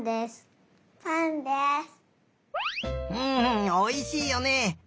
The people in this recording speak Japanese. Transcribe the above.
んおいしいよね！